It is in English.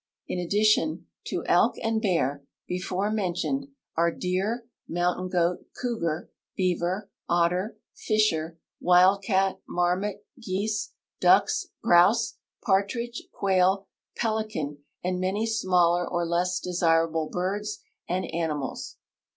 In addition to elk and bear, before mentioned, are deer, mountain goat, cougar, beaver, otter, fisher, wildcat, marmot, geese, ducks, grouse, partridge, quail, pelican, and many smaller or less desirable birds and animals.